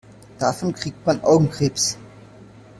Davon kriegt man Augenkrebs.